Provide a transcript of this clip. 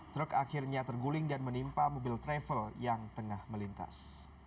truk akhirnya terguling dan menimpa mobil travel yang tengah melintas